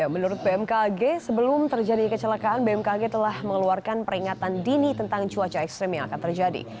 menurut bmkg sebelum terjadi kecelakaan bmkg telah mengeluarkan peringatan dini tentang cuaca ekstrim yang akan terjadi